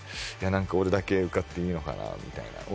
なんか俺だけ受かっていいのかなみたいな。